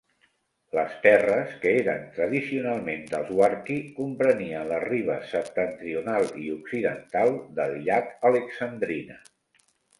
Les terres que eren tradicionalment dels "warki" comprenien les ribes septentrional i occidental del llac Alexandrina.